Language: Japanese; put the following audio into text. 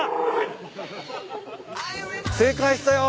正解したよ。